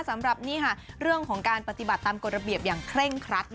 สำหรับนี่ค่ะเรื่องของการปฏิบัติตามกฎระเบียบอย่างเคร่งครัด